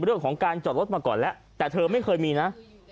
เรื่องของการจอดรถมาก่อนแล้วแต่เธอไม่เคยมีนะ